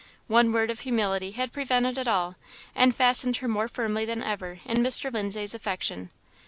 One word of humility had prevented it all, and fastened her more firmly than ever in Mr. Lindsay's affection.